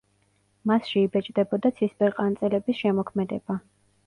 მასში იბეჭდებოდა ცისფერყანწელების შემოქმედება.